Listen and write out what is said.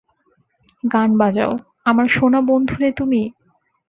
গান বাজাও, আমার সোনা বন্ধুরে তুমি।